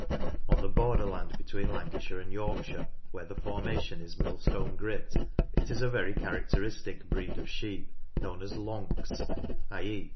On the borderland between Lancashire and York shire, where the formation is Millstone Grit, is a very characteristic breed of sheep known as "Lonks" (i.e.